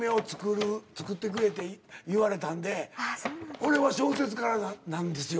これは小説からなんですよ